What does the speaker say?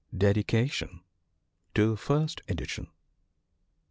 Dedication TO FJRST EDITION.